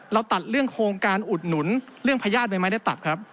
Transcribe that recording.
เราตัดเรื่องโครงการอุดหนุนเรื่องพญาติใบไม้ได้ตัดครับ